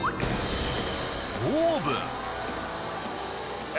オーブン。